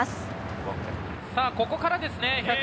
ここからですね。